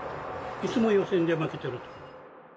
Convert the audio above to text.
いつも予選で負けてる。